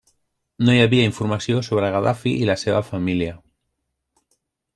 No hi havia informació sobre Gaddafi i la seva família.